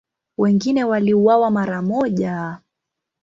Wengine waliuawa mara moja.